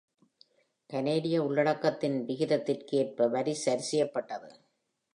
கனேடிய உள்ளடக்கத்தின் விகிதத்திற்கு ஏற்ப வரி சரிசெய்யப்பட்டது.